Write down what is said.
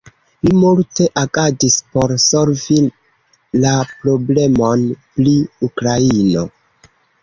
Li multe agadis por solvi la problemon pri Ukraino.